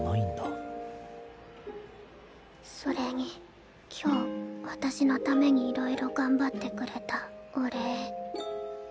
それに今日私のためにいろいろ頑張ってくれたお礼。